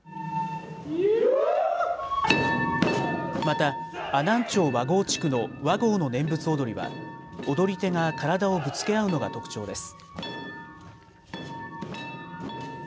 また阿南町和合地区の和合の念仏踊は踊り手が体をぶつけ合うのが特徴です。